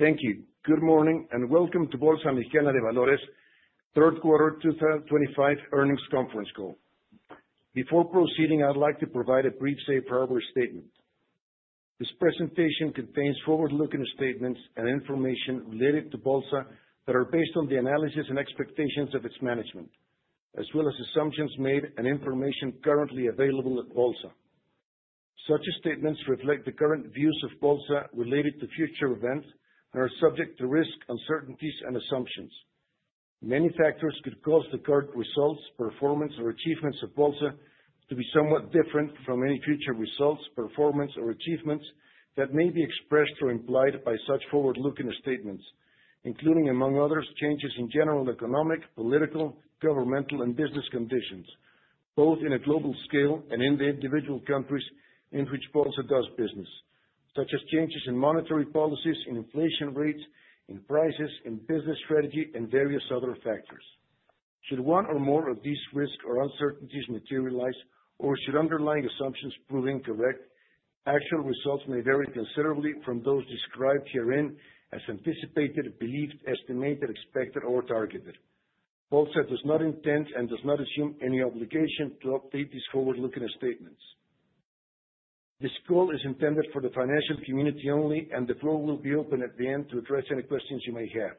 Thank you. Good morning and welcome to Bolsa Mexicana de Valores' third quarter 2025 earnings conference call. Before proceeding, I'd like to provide a brief safe harbor statement. This presentation contains forward-looking statements and information related to Bolsa that are based on the analysis and expectations of its management, as well as assumptions made and information currently available at Bolsa. Such statements reflect the current views of Bolsa related to future events and are subject to risk, uncertainties, and assumptions. Many factors could cause the current results, performance, or achievements of Bolsa to be somewhat different from any future results, performance, or achievements that may be expressed or implied by such forward-looking statements, including, among others, changes in general economic, political, governmental, and business conditions, both in a global scale and in the individual countries in which Bolsa does business, such as changes in monetary policies, in inflation rates, in prices, in business strategy, and various other factors. Should one or more of these risks or uncertainties materialize, or should underlying assumptions prove incorrect, actual results may vary considerably from those described herein as anticipated, believed, estimated, expected, or targeted. Bolsa does not intend and does not assume any obligation to update these forward-looking statements. This call is intended for the financial community only, and the floor will be open at the end to address any questions you may have.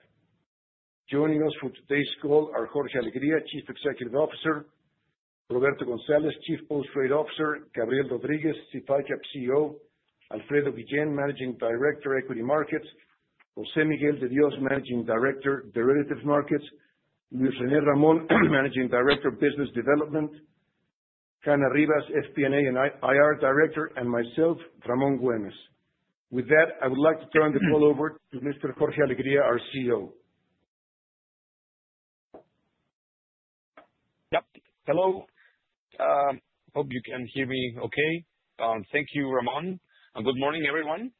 Joining us for today's call are Jorge Alegría, Chief Executive Officer; Roberto González, Chief Post Trade Officer; Gabriel Rodríguez, S.D. Indeval CEO; Alfredo Guillén, Managing Director, Equity Markets; José Miguel de Dios, Managing Director, Derivatives Markets; Luis René Ramón, Managing Director, Business Development; Hanna Rivas, FP&A and IR Director, and myself, Ramón Güemes. With that, I would like to turn the call over to Mr. Jorge Alegría, our CEO. Yep. Hello. I hope you can hear me okay. Thank you, Ramón. Good morning, everyone.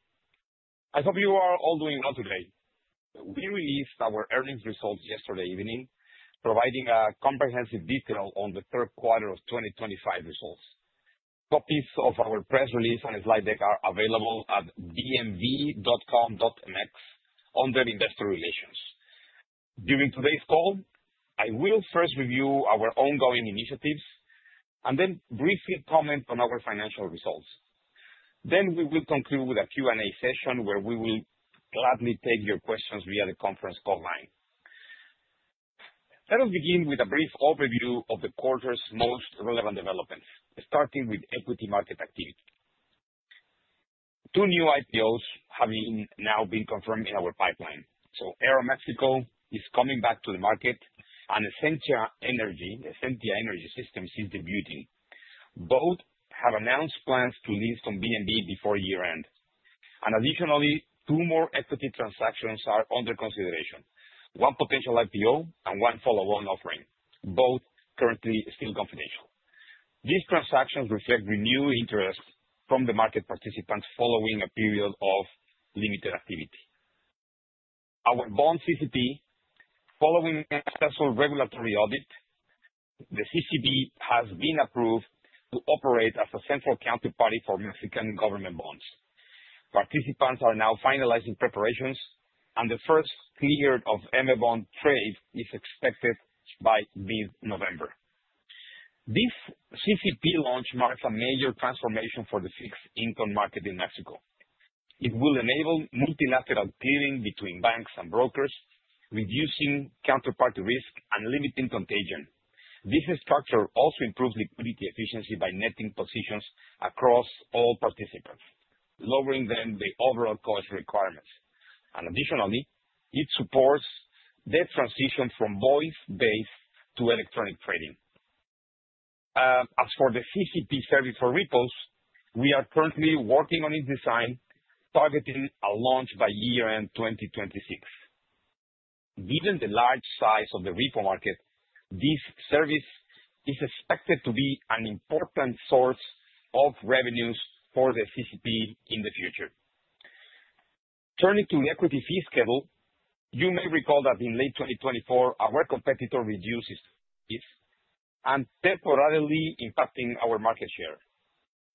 I hope you are all doing well today. We released our earnings results yesterday evening, providing a comprehensive details on the third quarter of 2025 results. Copies of our press release and slide deck are available at bmv.com.mx under Investor Relations. During today's call, I will first review our ongoing initiatives and then briefly comment on our financial results, then we will conclude with a Q&A session where we will gladly take your questions via the conference call line. Let us begin with a brief overview of the quarter's most relevant developments, starting with equity market activity. Two new IPOs have now been confirmed in our pipeline, so Aeroméxico is coming back to the market, and Esencia Energy, Esencia Energy Systems, is debuting. Both have announced plans to list on BMV before year-end. Additionally, two more equity transactions are under consideration: one potential IPO and one follow-on offering, both currently still confidential. These transactions reflect renewed interest from the market participants following a period of limited activity. Our Bond CCP, following a successful regulatory audit, the CCP has been approved to operate as a central counterparty for Mexican government bonds. Participants are now finalizing preparations, and the first clearing of Bonos M trade is expected by mid-November. This CCP launch marks a major transformation for the fixed income market in Mexico. It will enable multilateral clearing between banks and brokers, reducing counterparty risk and limiting contagion. This structure also improves liquidity efficiency by netting positions across all participants, lowering, then, the overall cost requirements. Additionally, it supports the transition from voice-based to electronic trading. As for the CCP service for repos, we are currently working on its design, targeting a launch by year-end 2026. Given the large size of the repo market, this service is expected to be an important source of revenues for the CCP in the future. Turning to the equity fee schedule, you may recall that in late 2024, our competitor reduced fees, temporarily impacting our market share.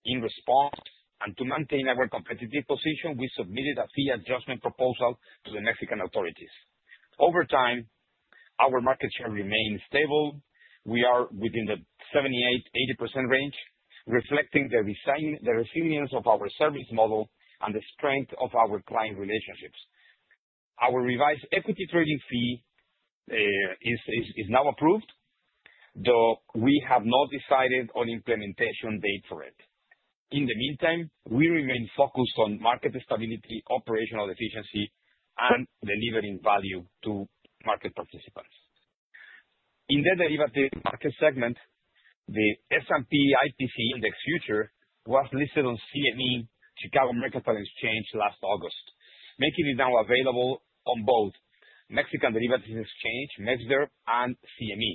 In response, and to maintain our competitive position, we submitted a fee adjustment proposal to the Mexican authorities. Over time, our market share remained stable. We are within the 78%-80% range, reflecting the resilience of our service model and the strength of our client relationships. Our revised equity trading fee is now approved, though we have not decided on implementation date for it. In the meantime, we remain focused on market stability, operational efficiency, and delivering value to market participants. In the derivative market segment, the S&P/BMV IPC Index Future was listed on CME, Chicago Mercantile Exchange, last August, making it now available on both Mexican Derivatives Exchange, MexDER, and CME.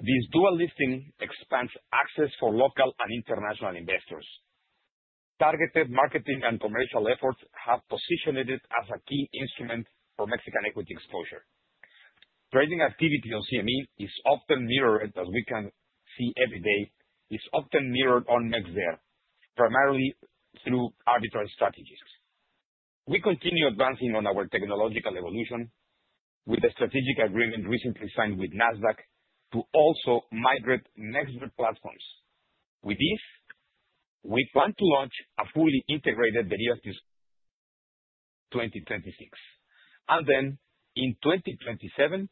This dual listing expands access for local and international investors. Targeted marketing and commercial efforts have positioned it as a key instrument for Mexican equity exposure. Trading activity on CME is often mirrored, as we can see every day, on MexDER, primarily through arbitrage strategies. We continue advancing on our technological evolution with the strategic agreement recently signed with Nasdaq to also migrate MexDER platforms. With this, we plan to launch a fully integrated derivatives 2026. And then, in 2027,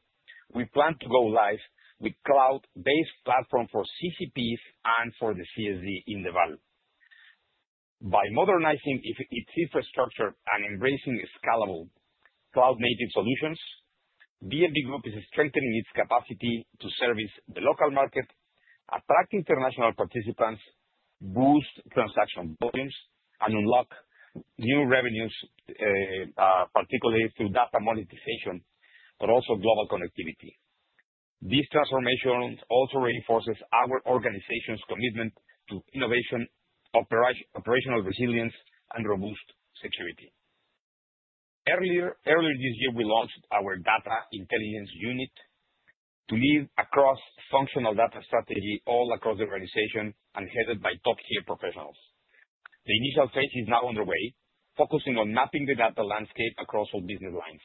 we plan to go live with a cloud-based platform for CCPs and for the CSD, Indeval. By modernizing its infrastructure and embracing scalable cloud-native solutions, BMV Group is strengthening its capacity to service the local market, attract international participants, boost transaction volumes, and unlock new revenues, particularly through data monetization, but also global connectivity. This transformation also reinforces our organization's commitment to innovation, operational resilience, and robust security. Earlier this year, we launched our data intelligence unit to lead across functional data strategy all across the organization and headed by top-tier professionals. The initial phase is now underway, focusing on mapping the data landscape across all business lines.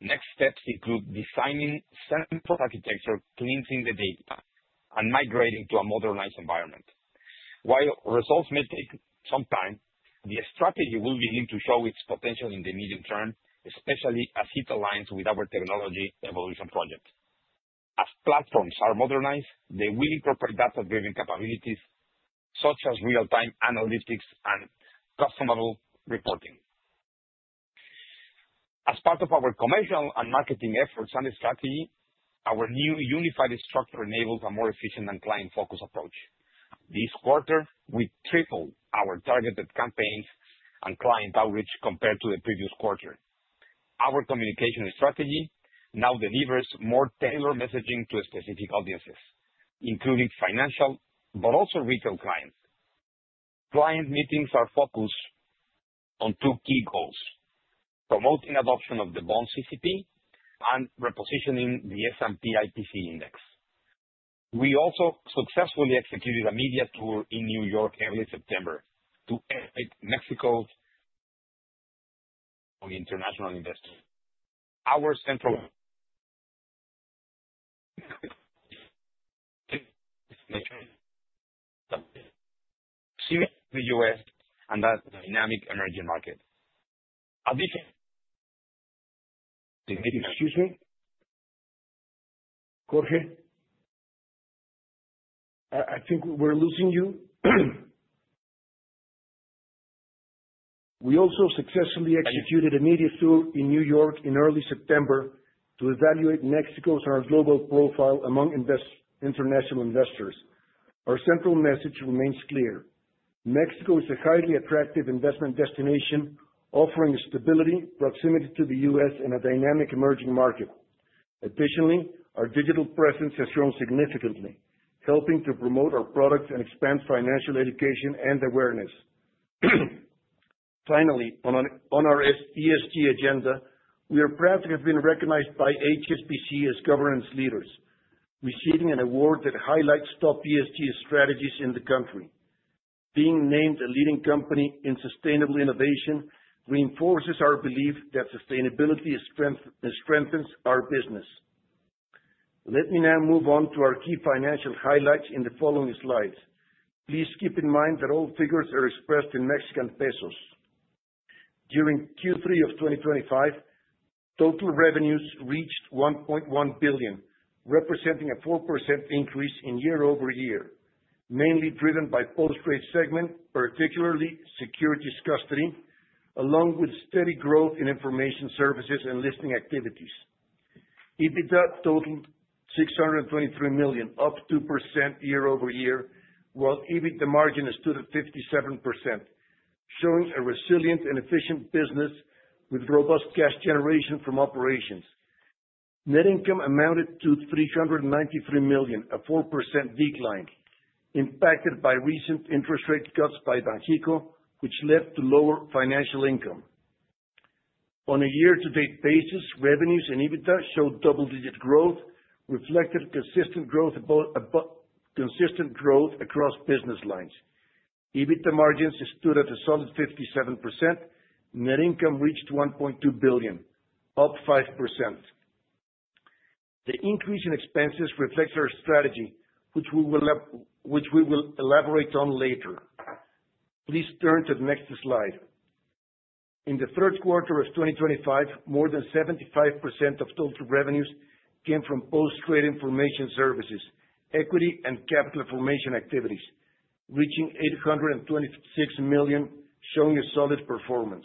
Next steps include designing central architecture, cleansing the data, and migrating to a modernized environment. While results may take some time, the strategy will begin to show its potential in the medium term, especially as it aligns with our technology evolution project. As platforms are modernized, they will incorporate data-driven capabilities such as real-time analytics and customizable reporting. As part of our commercial and marketing efforts and strategy, our new unified structure enables a more efficient and client-focused approach. This quarter, we tripled our targeted campaigns and client outreach compared to the previous quarter. Our communication strategy now delivers more tailored messaging to specific audiences, including financial but also retail clients. Client meetings are focused on two key goals: promoting adoption of the Bond CCP and repositioning the S&P/BMV IPC Index. We also successfully executed a media tour in New York early September to expect Mexico's international investors. Our central CME in the U.S. and that dynamic emerging market. Additionally, excuse me, Jorge, I think we're losing you. We also successfully executed a media tour in New York in early September to evaluate Mexico's global profile among international investors. Our central message remains clear: Mexico is a highly attractive investment destination, offering stability, proximity to the U.S., and a dynamic emerging market. Additionally, our digital presence has grown significantly, helping to promote our products and expand financial education and awareness. Finally, on our ESG agenda, we are proud to have been recognized by HSBC as governance leaders, receiving an award that highlights top ESG strategies in the country. Being named a leading company in sustainable innovation reinforces our belief that sustainability strengthens our business. Let me now move on to our key financial highlights in the following slides. Please keep in mind that all figures are expressed in Mexican pesos. During Q3 of 2025, total revenues reached 1.1 billion, representing a 4% increase in year-over-year, mainly driven by post-trade segment, particularly securities custody, along with steady growth in information services and listing activities. EBITDA totaled 623 million, up 2% year-over-year, while EBITDA margin stood at 57%, showing a resilient and efficient business with robust cash generation from operations. Net income amounted to 393 million, a 4% decline, impacted by recent interest rate cuts by Banxico, which led to lower financial income. On a year-to-date basis, revenues and EBITDA showed double-digit growth, reflecting consistent growth across business lines. EBITDA margins stood at a solid 57%. Net income reached 1.2 billion, up 5%. The increase in expenses reflects our strategy, which we will elaborate on later. Please turn to the next slide. In the third quarter of 2025, more than 75% of total revenues came from post-trade information services, equity, and capital formation activities, reaching 826 million, showing a solid performance.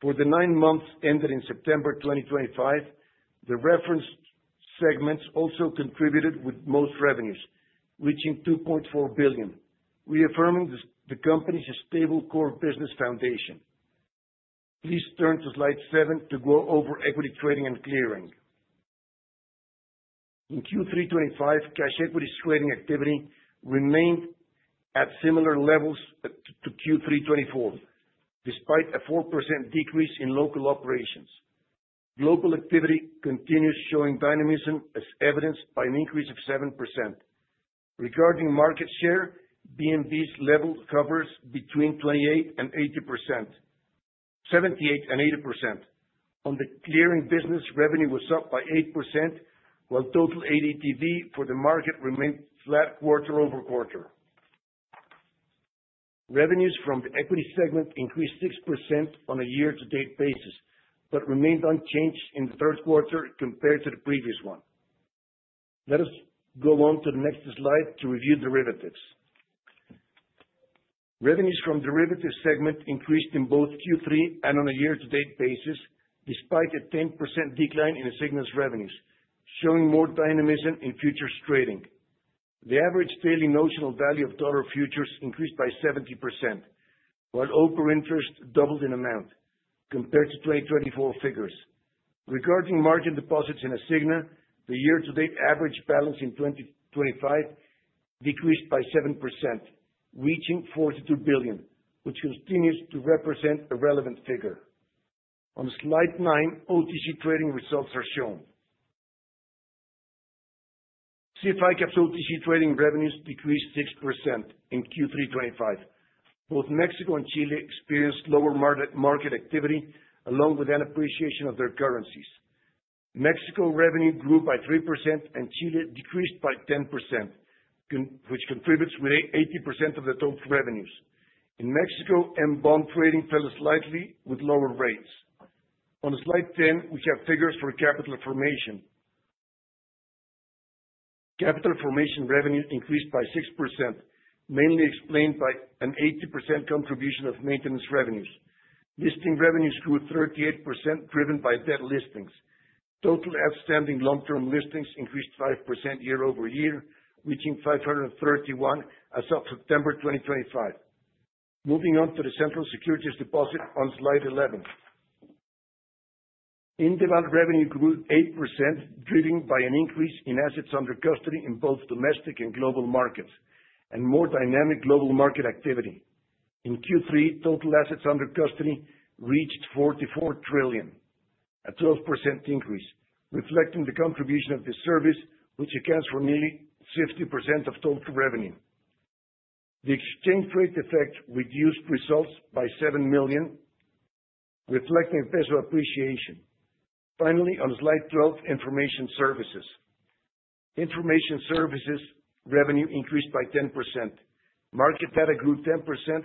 For the nine months ended in September 2025, the reference segments also contributed with most revenues, reaching 2.4 billion, reaffirming the company's stable core business foundation. Please turn to slide 7 to go over equity trading and clearing. In Q325, cash equity trading activity remained at similar levels to Q324, despite a 4% decrease in local operations. Global activity continues showing dynamism, as evidenced by an increase of 7%. Regarding market share, BMV's level covers between 28% and 80%, 78% and 80%. On the clearing business, revenue was up by 8%, while total ADTV for the market remained flat quarter over quarter. Revenues from the equity segment increased 6% on a year-to-date basis but remained unchanged in the third quarter compared to the previous one. Let us go on to the next slide to review derivatives. Revenues from the derivatives segment increased in both Q3 and on a year-to-date basis, despite a 10% decline in Asigna revenues, showing more dynamism in futures trading. The average daily notional value of dollar futures increased by 70%, while open interest doubled in amount compared to 2024 figures. Regarding margin deposits in Asigna, the year-to-date average balance in 2025 decreased by 7%, reaching 42 billion, which continues to represent a relevant figure. On slide 9, OTC trading results are shown. SIF ICAP OTC trading revenues decreased 6% in Q3 2025. Both Mexico and Chile experienced lower market activity along with an appreciation of their currencies. Mexico revenue grew by 3%, and Chile decreased by 10%, which contributes with 80% of the total revenues. In Mexico, M-bond trading fell slightly with lower rates. On slide 10, we have figures for capital formation. Capital formation revenue increased by 6%, mainly explained by an 80% contribution of maintenance revenues. Listing revenues grew 38%, driven by debt listings. Total outstanding long-term listings increased 5% year-over-year, reaching 531 as of September 2025. Moving on to the central securities depository on slide 11. Indeval revenue grew 8%, driven by an increase in assets under custody in both domestic and global markets and more dynamic global market activity. In Q3, total assets under custody reached 44 trillion, a 12% increase, reflecting the contribution of the service, which accounts for nearly 50% of total revenue. The exchange rate effect reduced results by 7 million, reflecting peso appreciation. Finally, on slide 12, information services. Information services revenue increased by 10%. Market data grew 10%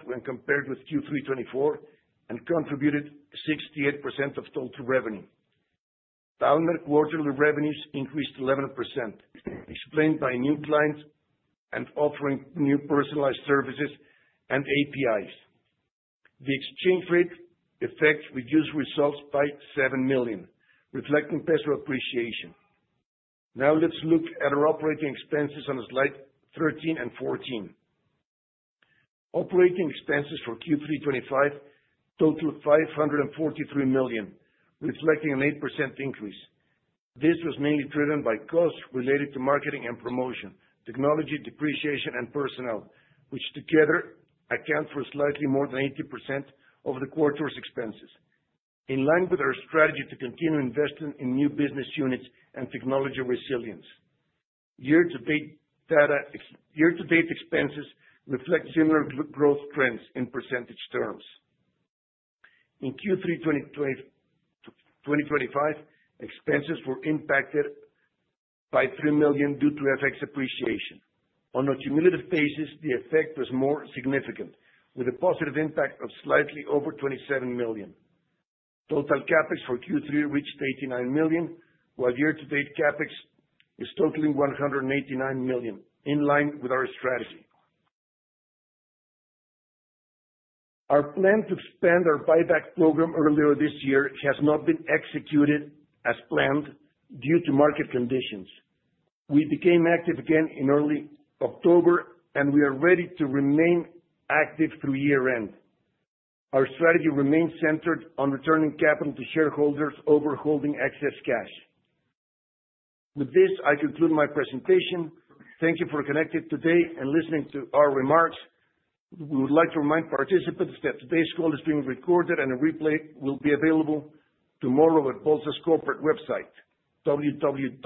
when compared with Q324 and contributed 68% of total revenue. Valmer quarterly revenues increased 11%, explained by new clients and offering new personalized services and APIs. The exchange rate effect reduced results by 7 million, reflecting peso appreciation. Now let's look at our operating expenses on slide 13 and 14. Operating expenses for Q325 totaled 543 million, reflecting an 8% increase. This was mainly driven by costs related to marketing and promotion, technology depreciation, and personnel, which together account for slightly more than 80% of the quarter's expenses. In line with our strategy to continue investing in new business units and technology resilience, year-to-date expenses reflect similar growth trends in percentage terms. In Q325, expenses were impacted by 3 million due to FX appreciation. On a cumulative basis, the effect was more significant, with a positive impact of slightly over 27 million. Total CapEx for Q3 reached 89 million, while year-to-date CapEx is totaling 189 million, in line with our strategy. Our plan to expand our buyback program earlier this year has not been executed as planned due to market conditions. We became active again in early October, and we are ready to remain active through year-end. Our strategy remains centered on returning capital to shareholders over holding excess cash. With this, I conclude my presentation. Thank you for connecting today and listening to our remarks. We would like to remind participants that today's call is being recorded and a replay will be available tomorrow at Bolsa's corporate website, www.bmv.com.mx,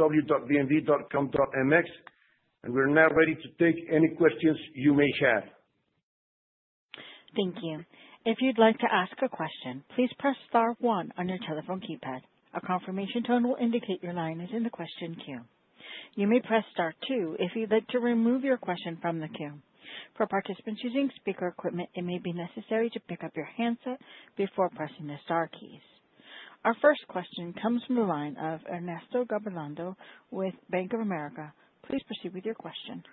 and we're now ready to take any questions you may have. Thank you. If you'd like to ask a question, please press Star 1 on your telephone keypad. A confirmation tone will indicate your line is in the question queue. You may press Star 2 if you'd like to remove your question from the queue. For participants using speaker equipment, it may be necessary to pick up your handset before pressing the Star keys. Our first question comes from the line of Ernesto Gabilondo with Bank of America. Please proceed with your question.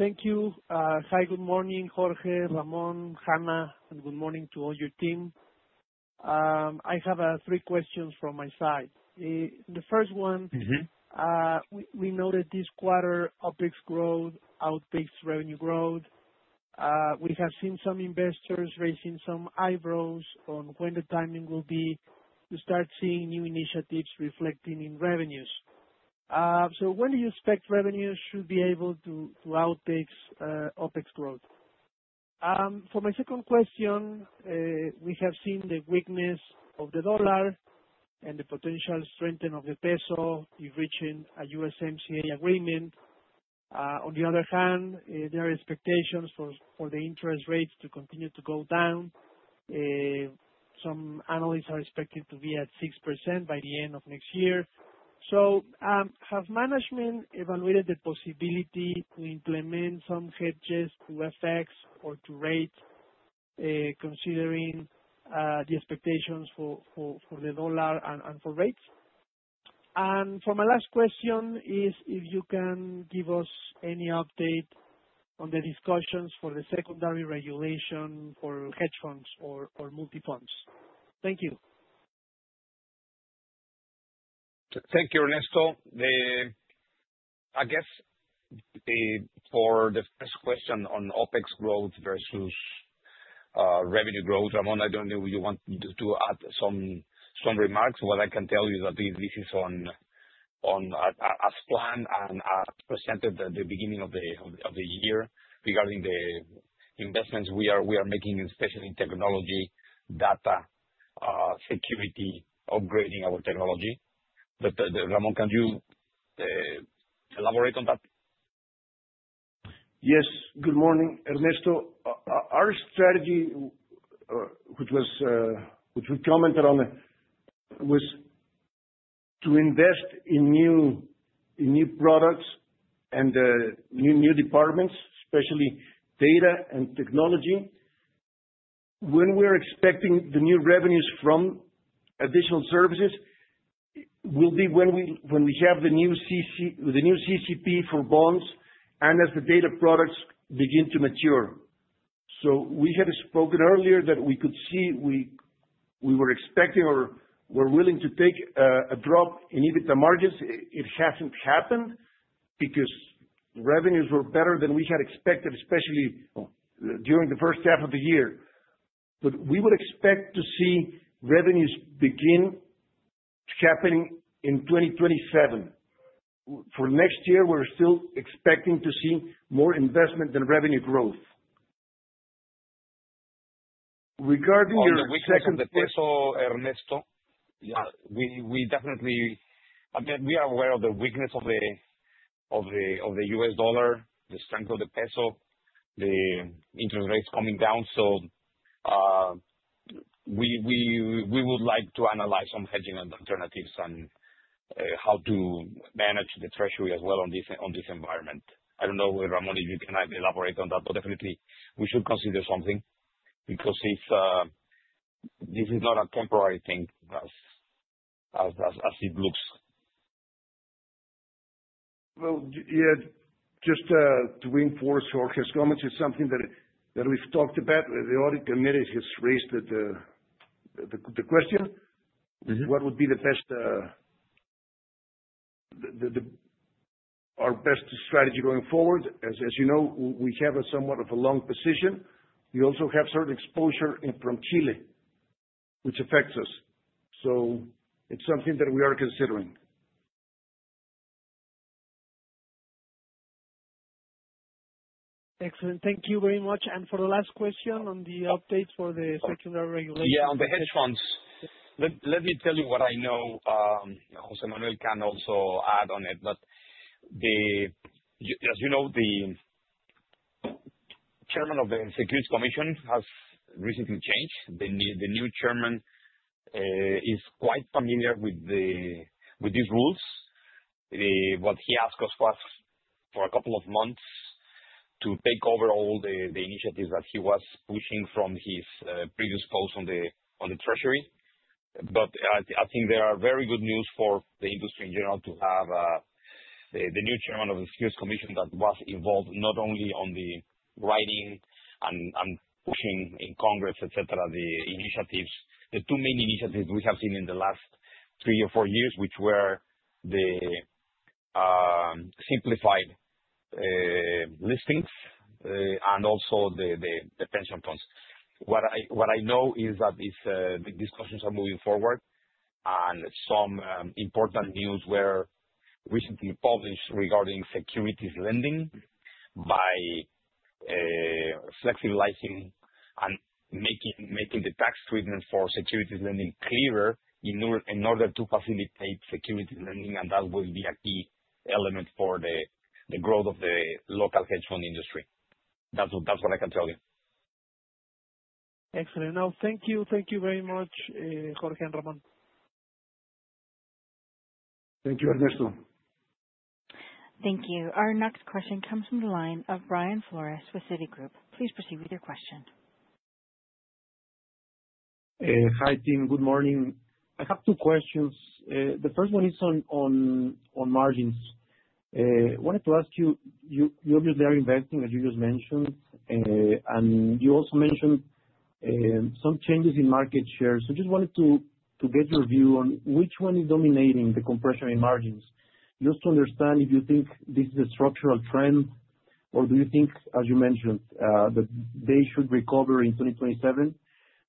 Thank you. Hi, good morning, Jorge, Ramón, Hanna, and good morning to all your team. I have three questions from my side. The first one, we noted this quarter OpEx-based growth, outpacing revenue growth. We have seen some investors raising some eyebrows on when the timing will be to start seeing new initiatives reflecting in revenues. So when do you expect revenues should be able to outpace OpEx growth? For my second question, we have seen the weakness of the dollar and the potential strengthening of the peso if reaching a USMCA agreement. On the other hand, there are expectations for the interest rates to continue to go down. Some analysts are expecting to be at 6% by the end of next year. So has management evaluated the possibility to implement some hedges to FX or to rate, considering the expectations for the dollar and for rates? And for my last question is if you can give us any update on the discussions for the secondary regulation for hedge funds or multi-funds. Thank you. Thank you, Ernesto. I guess for the first question on OpEx growth versus revenue growth, Ramón, I don't know if you want to add some remarks. What I can tell you is that this is on as planned and as presented at the beginning of the year regarding the investments we are making, especially in technology, data, security, upgrading our technology. But Ramón, can you elaborate on that? Yes. Good morning, Ernesto. Our strategy, which we commented on, was to invest in new products and new departments, especially data and technology. When we're expecting the new revenues from additional services will be when we have the new CCP for bonds and as the data products begin to mature, so we had spoken earlier that we could see we were expecting or were willing to take a drop in EBITDA margins. It hasn't happened because revenues were better than we had expected, especially during the first half of the year, but we would expect to see revenues begin happening in 2027. For next year, we're still expecting to see more investment than revenue growth. Regarding your second question... we accept the peso, Ernesto. Yeah, we definitely I mean, we are aware of the weakness of the U.S. dollar, the strength of the peso, the interest rates coming down. So we would like to analyze some hedging alternatives and how to manage the treasury as well in this environment. I don't know, Ramón, if you can elaborate on that, but definitely we should consider something because this is not a temporary thing as it looks. Well, yeah, just to reinforce Jorge's comment, it's something that we've talked about. The audit committee has raised the question, what would be the best our best strategy going forward? As you know, we have somewhat of a long position. We also have certain exposure from Chile, which affects us. So it's something that we are considering. Excellent. Thank you very much. And for the last question on the updates for the secondary regulation. Yeah, on the hedge funds. Let me tell you what I know. José-Oriol can also add on it. But as you know, the chairman of the Securities Commission has recently changed. The new chairman is quite familiar with these rules. What he asked us was for a couple of months to take over all the initiatives that he was pushing from his previous post on the treasury. But I think there are very good news for the industry in general to have the new chairman of the Securities Commission that was involved not only on the writing and pushing in Congress, etc., the initiatives. The two main initiatives we have seen in the last three or four years, which were the simplified listings and also the pension funds. What I know is that these discussions are moving forward. And some important news were recently published regarding securities lending by flexibilizing and making the tax treatment for securities lending clearer in order to facilitate securities lending. And that will be a key element for the growth of the local hedge fund industry. That's what I can tell you. Excellent. Now, thank you. Thank you very much, Jorge and Ramón. Thank you, Ernesto. Thank you. Our next question comes from the line of Brian Flores with Citigroup. Please proceed with your question. Hi, team. Good morning. I have two questions. The first one is on margins. I wanted to ask you, you obviously are investing, as you just mentioned, and you also mentioned some changes in market share. So I just wanted to get your view on which one is dominating the compression in margins. Just to understand if you think this is a structural trend or do you think, as you mentioned, that they should recover in 2027?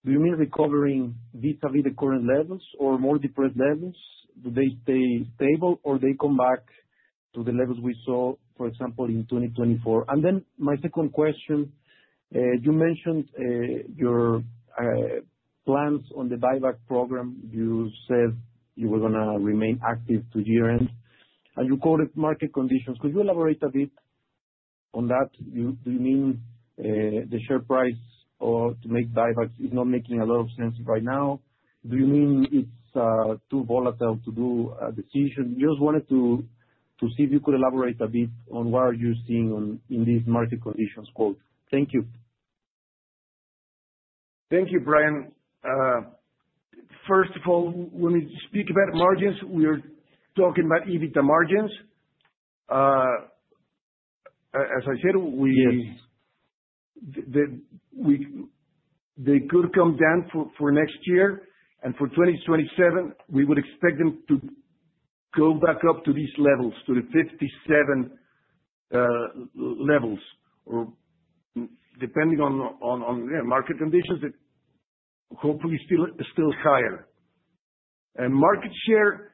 Do you mean recovering vis-à-vis the current levels or more depressed levels? Do they stay stable or do they come back to the levels we saw, for example, in 2024? And then my second question, you mentioned your plans on the buyback program. You said you were going to remain active to year-end. And you quoted market conditions. Could you elaborate a bit on that? Do you mean the share price to make buybacks is not making a lot of sense right now? Do you mean it's too volatile to do a decision? Just wanted to see if you could elaborate a bit on what are you seeing in these market conditions quote. Thank you. Thank you, Brian. First of all, when we speak about margins, we are talking about EBITDA margins. As I said, they could come down for next year. And for 2027, we would expect them to go back up to these levels, to the 57 levels, or depending on market conditions, hopefully still higher. And market share,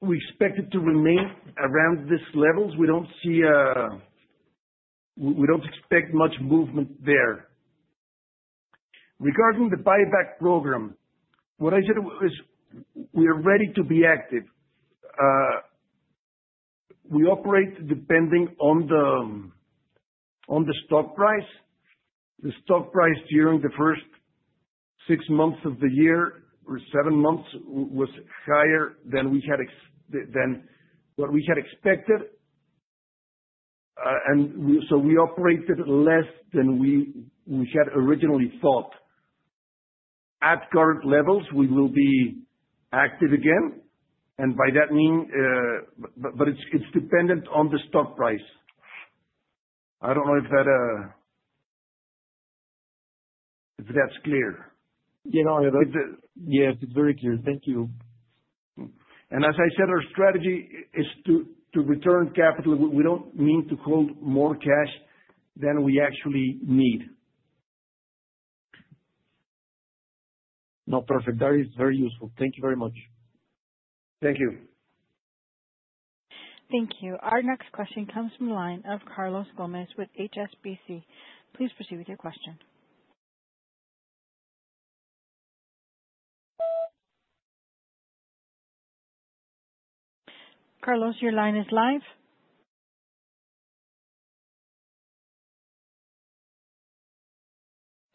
we expect it to remain around these levels. We don't expect much movement there. Regarding the buyback program, what I said is we are ready to be active. We operate depending on the stock price. The stock price during the first six months of the year or seven months was higher than what we had expected. And so we operated less than we had originally thought. At current levels, we will be active again. And by that mean, but it's dependent on the stock price. I don't know if that's clear? Yeah, it's very clear. Thank you. And as I said, our strategy is to return capital. We don't mean to hold more cash than we actually need. No, perfect. That is very useful. Thank you very much. Thank you. Thank you. Our next question comes from the line of Carlos Gómez with HSBC. Please proceed with your question. Carlos, your line is live.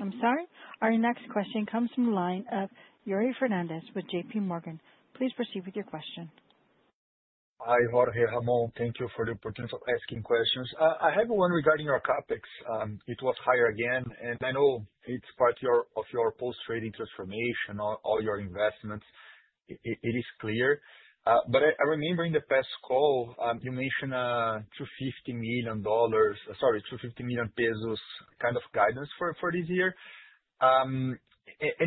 I'm sorry. Our next question comes from the line of Yuri Fernandes with JPMorgan. Please proceed with your question. Hi, Jorge, Ramón. Thank you for the opportunity of asking questions. I have one regarding your CapEx. It was higher again. And I know it's part of your post-trading transformation, all your investments. It is clear. But I remember in the past call, you mentioned MXN 250 million, sorry, 250 million pesos kind of guidance for this year. And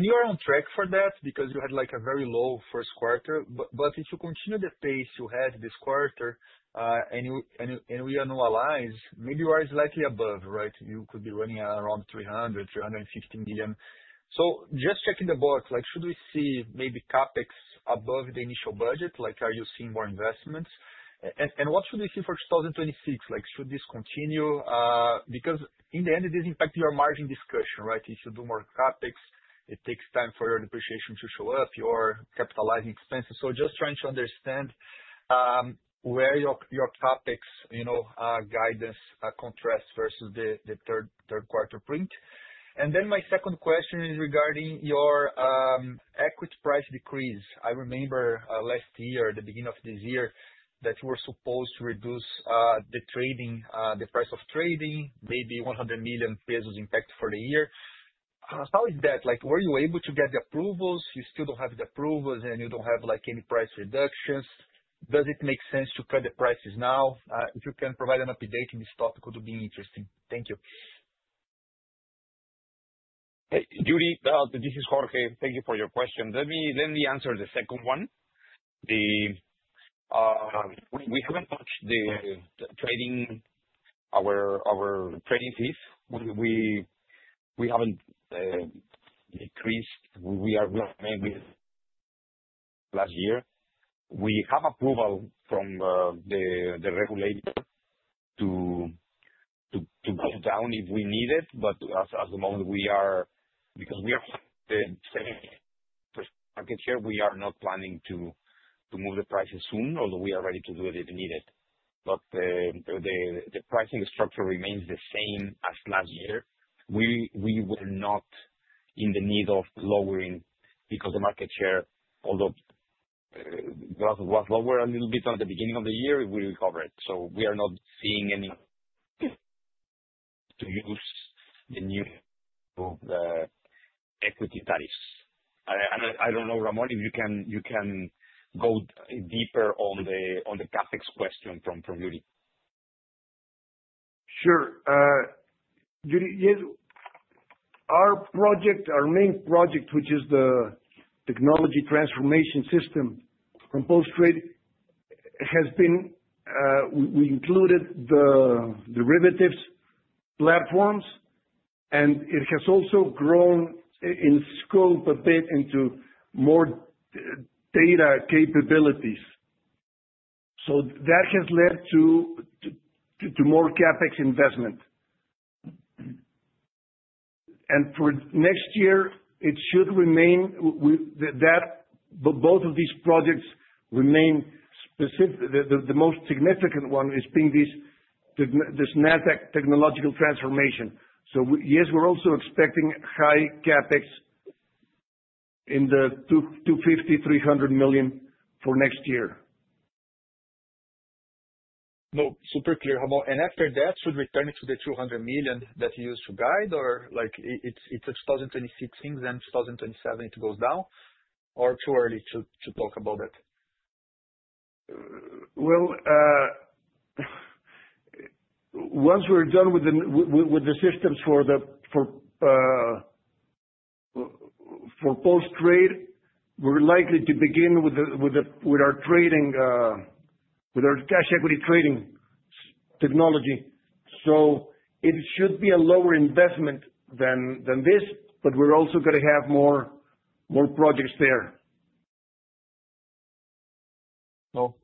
you are on track for that because you had a very low first quarter. But if you continue the pace you had this quarter and we annualize, maybe you are slightly above, right? You could be running around 300-350 million. So just checking the box, should we see maybe CapEx above the initial budget? Are you seeing more investments? And what should we see for 2026? Should this continue? Because in the end, it does impact your margin discussion, right? If you do more CapEx, it takes time for your depreciation to show up, your capitalizing expenses. So just trying to understand where your CapEx guidance contrasts versus the third quarter print. And then my second question is regarding your equity price decrease. I remember last year, the beginning of this year, that you were supposed to reduce the price of trading, maybe 100 million pesos impact for the year. How is that? Were you able to get the approvals? You still don't have the approvals, and you don't have any price reductions. Does it make sense to cut the prices now? If you can provide an update in this topic, it would be interesting. Thank you. Judy, this is Jorge. Thank you for your question. Let me answer the second one. We haven't touched the trading, our trading fees. We haven't decreased. We are mainly last year. We have approval from the regulator to go down if we need it, but at the moment we are, because we are the second market share, we are not planning to move the prices soon, although we are ready to do it if needed, but the pricing structure remains the same as last year. We were not in the need of lowering because the market share, although it was lower a little bit at the beginning of the year, we recovered, so we are not seeing any to use the new equity tariffs. I don't know, Ramón, if you can go deeper on the CapEx question from Judy. Sure. Judy, yes. Our main project, which is the technology transformation system from post-trade, has been we included the derivatives platforms, and it has also grown in scope a bit into more data capabilities. So that has led to more CapEx investment. And for next year, it should remain that both of these projects remain specific. The most significant one is being this Nasdaq technological transformation. So yes, we're also expecting high CapEx in the 250-300 million for next year. No, super clear. And after that, should we turn it to the 200 million that you used to guide, or it's a 2026, and 2027, it goes down? Or too early to talk about that? Well, once we're done with the systems for post-trade, we're likely to begin with our trading, with our cash equity trading technology. So it should be a lower investment than this, but we're also going to have more projects there. No,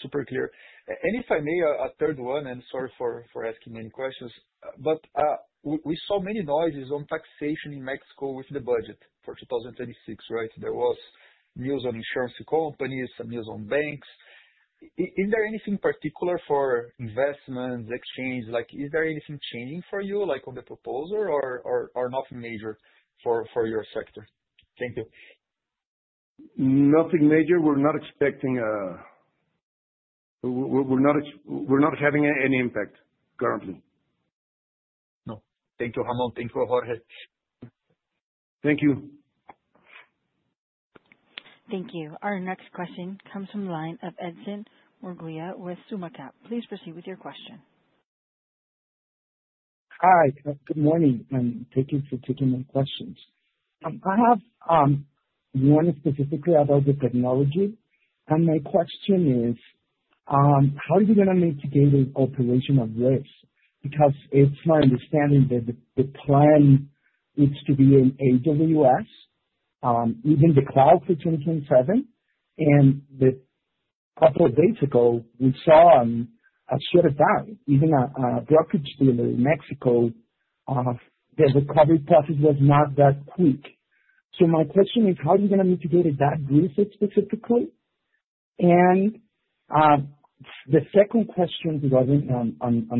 super clear. And if I may, a third one, and sorry for asking many questions, but we saw many noises on taxation in México with the budget for 2026, right? There was news on insurance companies, some news on banks. Is there anything particular for investments, exchange? Is there anything changing for you on the proposal or nothing major for your sector? Thank you. Nothing major. We're not expecting. We're not having any impact currently. No. Thank you, Ramón. Thank you, Jorge. Thank you. Thank you. Our next question comes from the line of Edson Murguía with SummaCap. Please proceed with your question. Hi, good morning. Thank you for taking my questions. I have one specifically about the technology, and my question is, how are we going to mitigate the operation of this? Because it's my understanding that the plan is to be in AWS, even the cloud for 2027, and a couple of days ago, we saw a share of that, even a brokerage dealer in Mexico, their recovery process was not that quick, so my question is, how are we going to mitigate that briefly specifically? And the second question regarding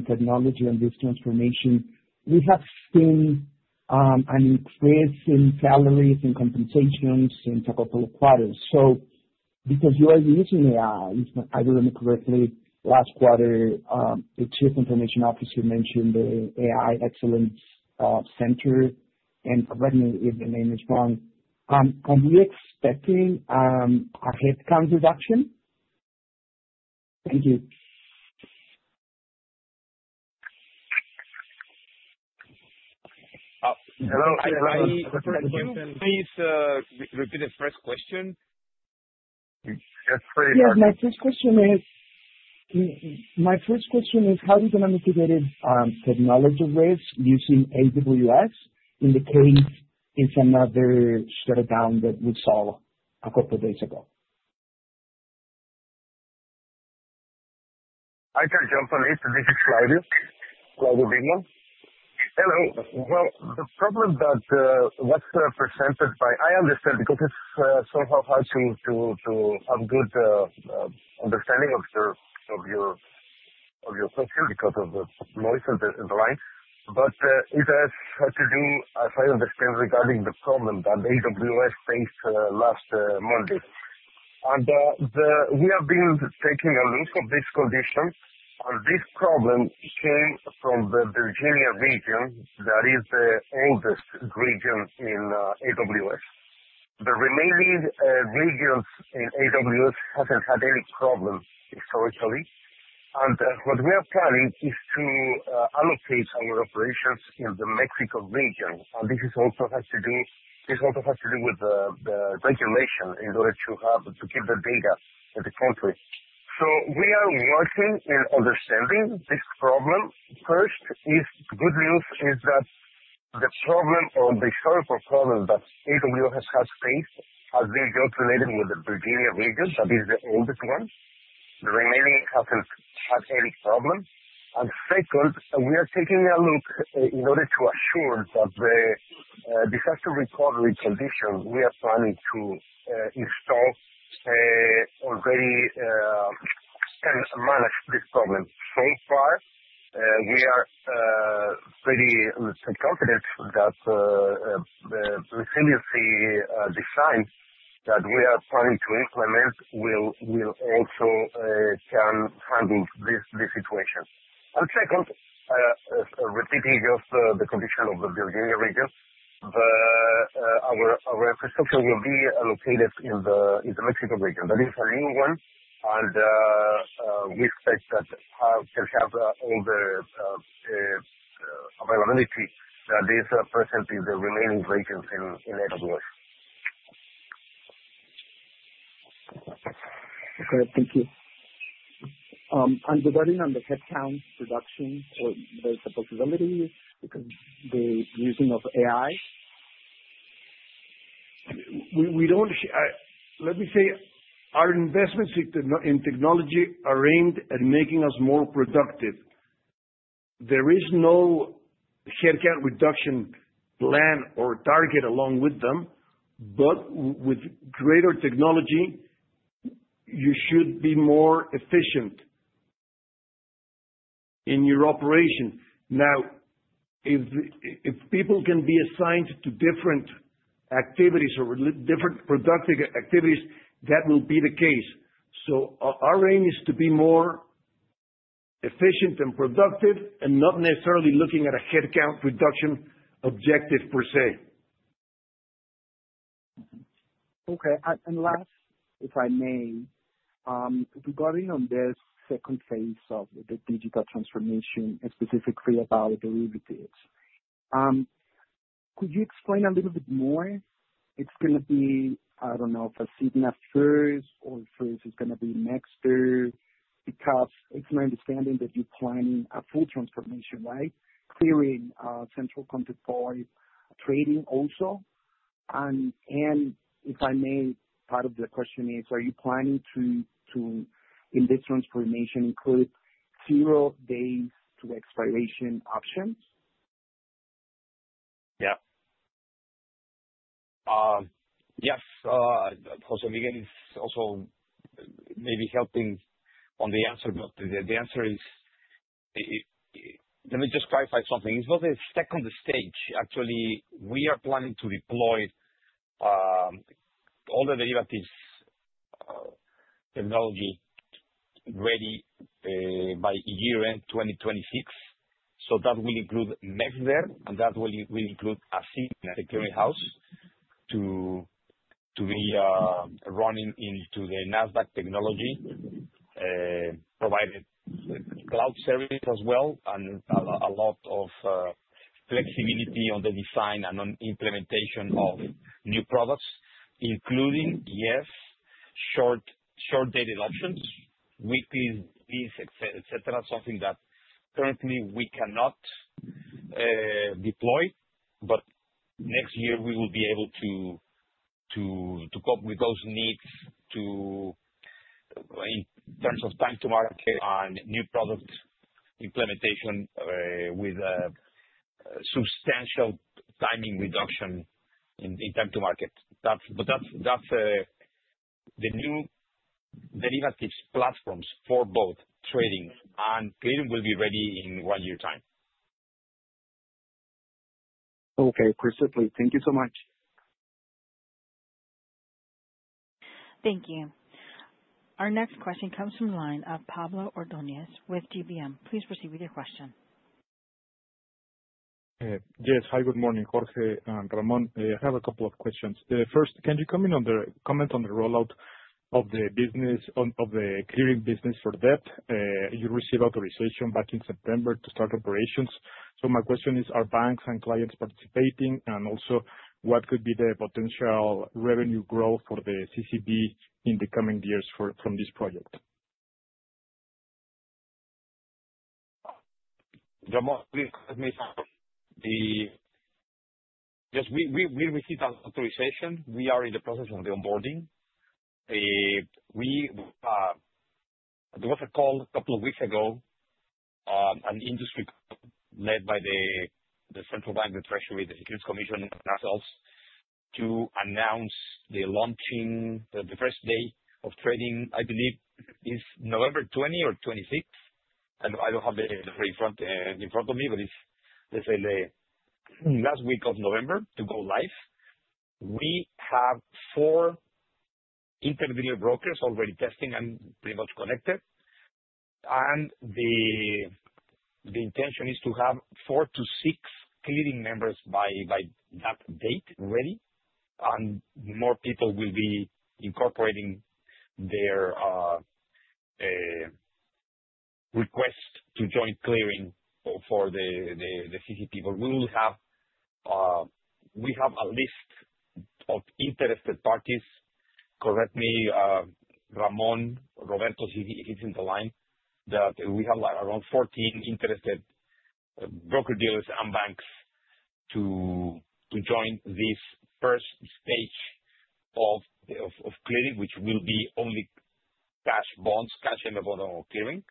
technology and this transformation, we have seen an increase in salaries and compensations in a couple of quarters, so because you are using AI, if I remember correctly, last quarter, the Chief Information Officer mentioned the AI Excellence Center. And correct me if the name is wrong. Are we expecting a headcount reduction? Thank you. Hello, I'm Brian. Can you repeat the first question? Yes, my first question is, how are we going to mitigate technology risks using AWS in the case it's another shutdown that we saw a couple of days ago? I can jump on it. This is Claudio. Hello. Well, the problem that was presented. I understand because it's somehow hard to have good understanding of your question because of the noise in the line. But it has to do, as I understand, regarding the problem that AWS faced last Monday. And we have been taking a look at this condition. And this problem came from the Virginia region, that is the oldest region in AWS. The remaining regions in AWS haven't had any problem historically. And what we are planning is to allocate our operations in the Mexico region. And this also has to do with the regulation in order to keep the data in the country. So we are working in understanding this problem. First, good news is that the problem or the historical problem that AWS has faced has been just related with the Virginia region, that is the oldest one. The remaining hasn't had any problem. And second, we are taking a look in order to assure that this has to recovery condition, we are planning to install already and manage this problem. So far, we are pretty confident that the resiliency design that we are planning to implement will also handle this situation. And second, repeating just the condition of the Virginia region, our infrastructure will be located in the Mexico region. That is a new one. And we expect that we can have all the availability that is present in the remaining regions in AWS. Okay, thank you. And regarding on the headcount reduction or the possibility because the using of AI? Let me say, our investments in technology are aimed at making us more productive. There is no headcount reduction plan or target along with them. But with greater technology, you should be more efficient in your operation. Now, if people can be assigned to different activities or different productive activities, that will be the case. So our aim is to be more efficient and productive and not necessarily looking at a headcount reduction objective per se. Okay. And last, if I may, regarding on this second phase of the digital transformation and specifically about derivatives, could you explain a little bit more? It's going to be, I don't know, for Asigna first, or first is going to be MexDER? Because it's my understanding that you're planning a full transformation, right? Clearing central counterparty trading also. And if I may, part of the question is, are you planning to, in this transformation, include zero-day-to-expiration options? Yeah. Yes. José Miguel is also maybe helping on the answer, but the answer is, let me just clarify something. It's not the second stage. Actually, we are planning to deploy all the derivatives technology ready by year-end 2026. So that will include MexDER, and that will include a Asigna clearing house to be running on the Nasdaq technology, provided cloud service as well, and a lot of flexibility on the design and on implementation of new products, including, yes, short-dated options, weeklies, etc., something that currently we cannot deploy. But next year, we will be able to cope with those needs in terms of time to market and new product implementation with substantial timing reduction in time to market. But that's the new derivatives platforms for both trading and clearing, and will be ready in one year's time. Okay, perfect. Thank you so much. Thank you. Our next question comes from the line of Pablo Ordoñez with GBM. Please proceed with your question. Yes. Hi, good morning, Jorge and Ramón. I have a couple of questions. First, can you comment on the rollout of the business, of the clearing business for debt? You received authorization back in September to start operations. So my question is, are banks and clients participating? And also, what could be the potential revenue growth for the CCP in the coming years from this project? Ramón, please let me start. Yes, we received authorization. We are in the process of the onboarding. There was a call a couple of weeks ago, an industry call led by the Central Bank, the Treasury, the Securities Commission, and ourselves to announce the launching the first day of trading. I believe it's November 20 or 26. I don't have the date in front of me, but it's last week of November to go live. We have four intermediary brokers already testing and pretty much connected, and the intention is to have four to six clearing members by that date ready. More people will be incorporating their request to join clearing for the CCP, but we will have a list of interested parties. Correct me, Ramón, Roberto if he's on the line, that we have around 14 interested broker dealers and banks to join this first stage of clearing, which will be only cash bonds, cash, and clearing,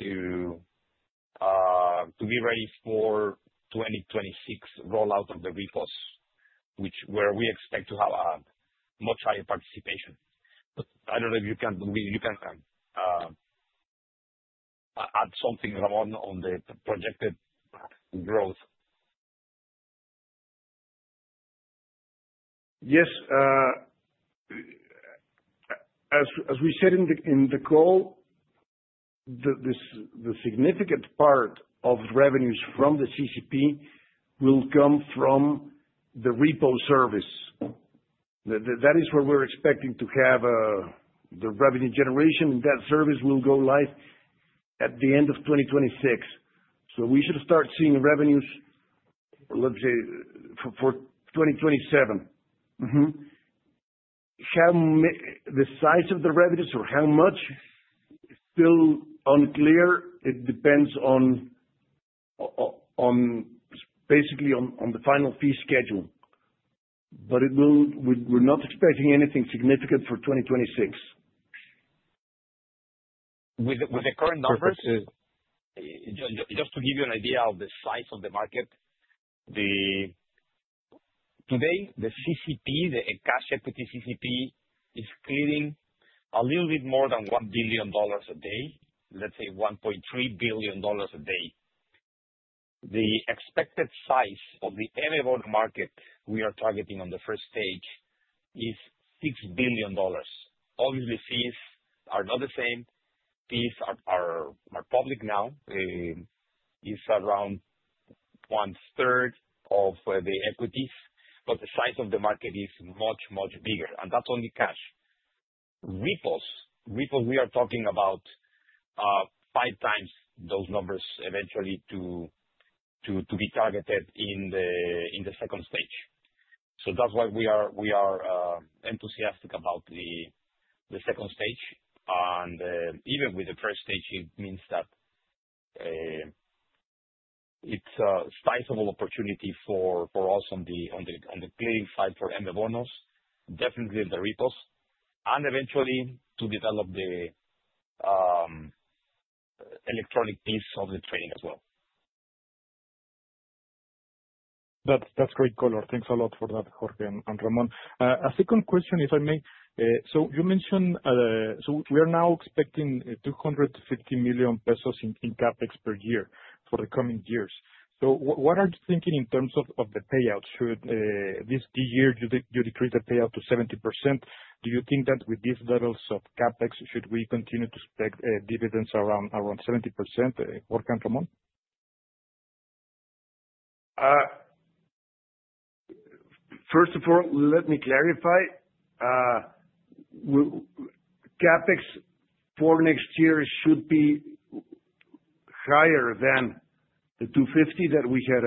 to be ready for 2026 rollout of the repos, where we expect to have a much higher participation, but I don't know if you can add something, Ramón, on the projected growth. Yes. As we said in the call, the significant part of revenues from the CCP will come from the repo service. That is where we're expecting to have the revenue generation. That service will go live at the end of 2026, so we should start seeing revenues, let's say, for 2027. The size of the revenues or how much is still unclear. It depends basically on the final fee schedule, but we're not expecting anything significant for 2026. With the current numbers, just to give you an idea of the size of the market, today, the CCP, the cash equity CCP, is clearing a little bit more than $1 billion a day, let's say $1.3 billion a day. The expected size of the Bonos M market we are targeting on the first stage is $6 billion. Obviously, fees are not the same. Fees are public now. It's around one-third of the equities, but the size of the market is much, much bigger, and that's only cash. Repos, we are talking about five times those numbers eventually to be targeted in the second stage, so that's why we are enthusiastic about the second stage, and even with the first stage, it means that it's a sizable opportunity for us on the clearing side for Bonos M, definitely the repos, and eventually to develop the electronic piece of the trading as well. That's great, Color. Thanks a lot for that, Jorge and Ramón. A second question, if I may. So you mentioned so we are now expecting $250 million in CapEx per year for the coming years. So what are you thinking in terms of the payout? Should this year you decrease the payout to 70%? Do you think that with these levels of CapEx, should we continue to expect dividends around 70%? Jorge and Ramón. First of all, let me clarify. CapEx for next year should be higher than the 250 that we had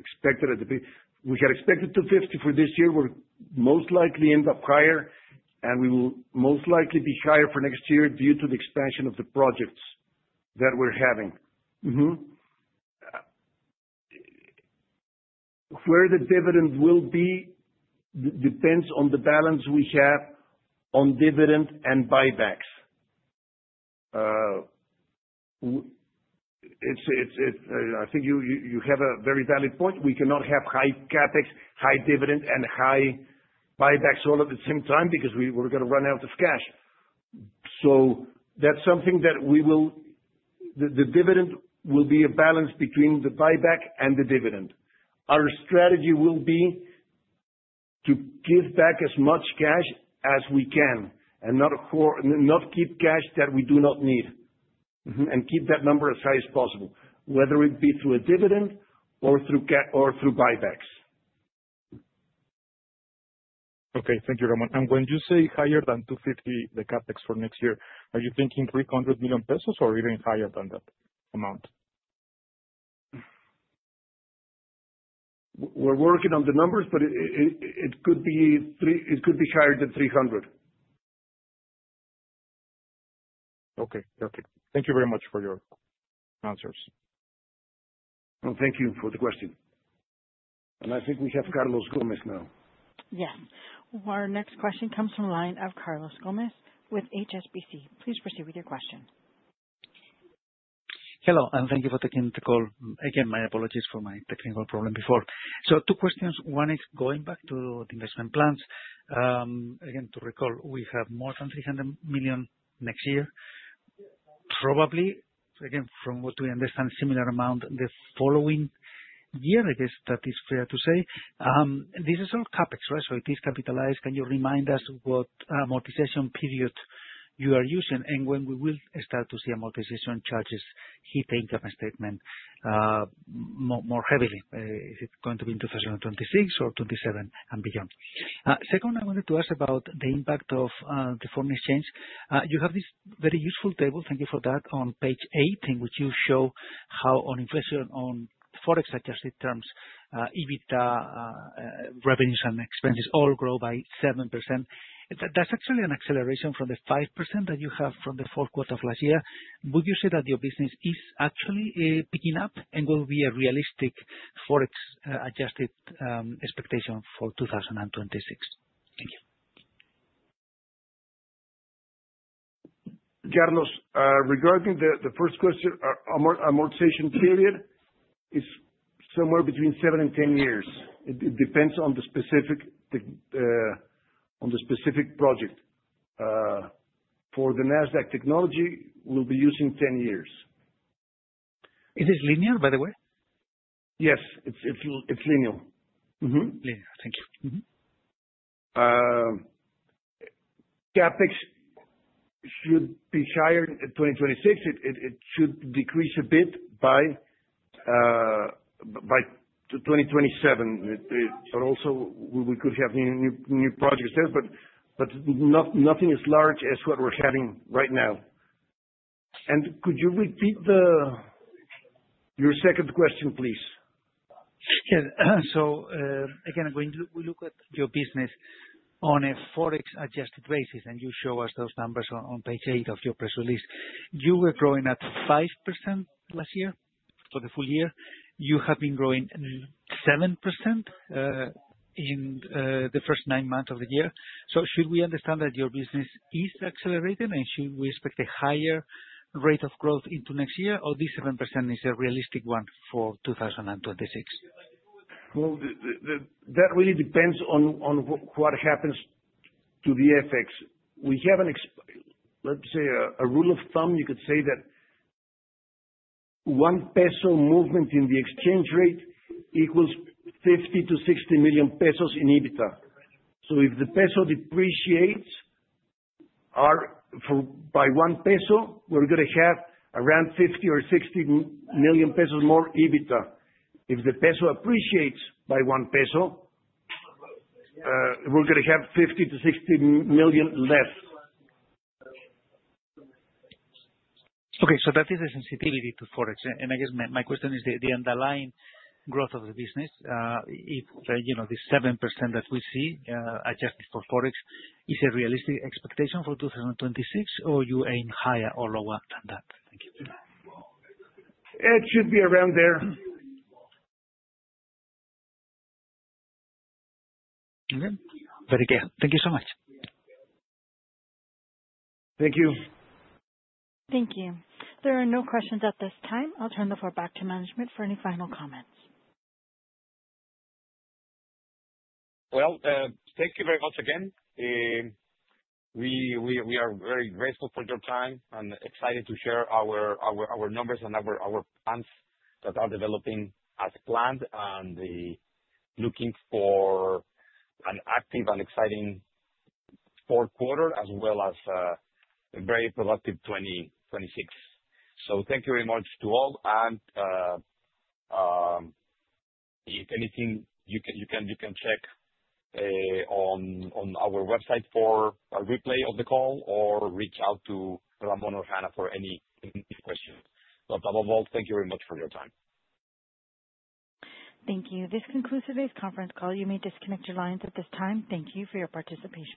expected at the beginning. We had expected 250 for this year. We'll most likely end up higher. And we will most likely be higher for next year due to the expansion of the projects that we're having. Where the dividend will be depends on the balance we have on dividend and buybacks. I think you have a very valid point. We cannot have high CapEx, high dividend, and high buybacks all at the same time because we're going to run out of cash. So that's something that we will. The dividend will be a balance between the buyback and the dividend. Our strategy will be to give back as much cash as we can and not keep cash that we do not need and keep that number as high as possible, whether it be through a dividend or through buybacks. Okay. Thank you, Ramón. And when you say higher than 250, the CapEx for next year, are you thinking $300 million or even higher than that amount? We're working on the numbers, but it could be higher than 300. Okay. Okay. Thank you very much for your answers. And thank you for the question. And I think we have Carlos Gómez now. Yeah. Our next question comes from the line of Carlos Gómez with HSBC. Please proceed with your question. Hello, and thank you for taking the call. Again, my apologies for my technical problem before. So two questions. One is going back to the investment plans. Again, to recall, we have more than $300 million next year. Probably, again, from what we understand, a similar amount the following year, I guess that is fair to say. This is all CapEx, right? So it is capitalized. Can you remind us what amortization period you are using and when we will start to see amortization charges hit the income statement more heavily? Is it going to be in 2026 or 2027 and beyond? Second, I wanted to ask about the impact of the foreign exchange. You have this very useful table, thank you for that, on page eight, in which you show how on inflation on Forex-adjusted terms, EBITDA, revenues, and expenses all grow by 7%. That's actually an acceleration from the 5% that you have from the fourth quarter of last year. Would you say that your business is actually picking up and will be a realistic Forex-adjusted expectation for 2026? Thank you. Carlos, regarding the first question, amortization period is somewhere between seven and 10 years. It depends on the specific project. For the Nasdaq technology, we'll be using 10 years. Is it linear, by the way? Yes. It's linear. Linear. Thank you. CapEx should be higher in 2026. It should decrease a bit by 2027. But also, we could have new projects there, but nothing as large as what we're having right now. And could you repeat your second question, please? So again, we look at your business on a Forex-adjusted basis, and you show us those numbers on page 8 of your press release. You were growing at 5% last year for the full year. You have been growing 7% in the first nine months of the year. So should we understand that your business is accelerating, and should we expect a higher rate of growth into next year, or this 7% is a realistic one for 2026? Well, that really depends on what happens to the FX. We have, let's say, a rule of thumb. You could say that one peso movement in the exchange rate equals 50-60 million pesos in EBITDA. So if the peso depreciates by one peso, we're going to have around 50 or 60 million more EBITDA. If the peso appreciates by 1 peso, we're going to have 50 million-60 million less. Okay. So that is the sensitivity to Forex. And I guess my question is the underlying growth of the business. If the 7% that we see adjusted for Forex is a realistic expectation for 2026, or you aim higher or lower than that? Thank you. It should be around there. Okay. Very clear. Thank you so much. Thank you. Thank you. There are no questions at this time. I'll turn the floor back to management for any final comments. Well, thank you very much again. We are very grateful for your time and excited to share our numbers and our plans that are developing as planned and looking for an active and exciting fourth quarter as well as a very productive 2026. So thank you very much to all. And if anything, you can check on our website for a replay of the call or reach out to Ramón or Hanna for any questions. But above all, thank you very much for your time. Thank you. This concludes today's conference call. You may disconnect your lines at this time. Thank you for your participation.